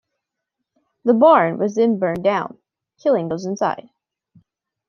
The barn was then burned down, killing those inside.